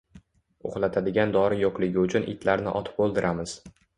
Uxlatadigan dori yo‘qligi uchun itlarni otib o‘ldiramiz